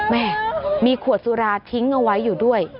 แม่มีขวดสุราทิ้งเอาไว้อยู่ด้วย